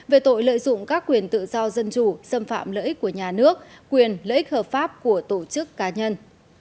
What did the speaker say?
về tội lợi dụng các quyền tự do dân chủ xâm phạm lợi ích của nhà nước quyền lợi ích hợp pháp của tổ chức cá nhân